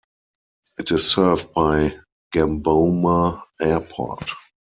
It is served by Gamboma Airport.